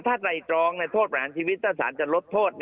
ถ้าไตรตรองโทษประหารชีวิตถ้าสารจะลดโทษ